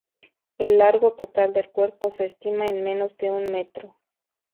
El largo total del cuerpo se estima en menos de un metro.